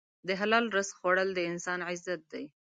د حلال رزق خوړل د انسان عزت دی.